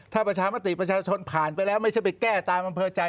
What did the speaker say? ถ้าประชามติประชาชนผ่านไปแล้วไม่ใช่ไปแก้ตามอำเภอใจ